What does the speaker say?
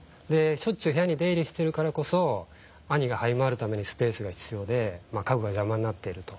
しょっちゅう部屋に出入りしてるからこそ兄がはい回るためにスペースが必要で家具が邪魔になっていると。